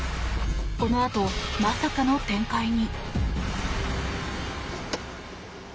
このあと、まさかの展開に。